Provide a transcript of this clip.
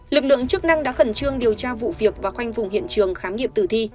lực lượng chức năng đã khẩn trương điều tra vụ việc và khoanh vùng hiện trường khám nghiệm tử thi